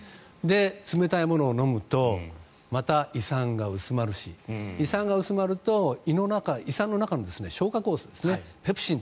冷たいものを飲むとまた胃酸が薄まるし胃酸が薄まると胃酸の中の消化酵素ですね。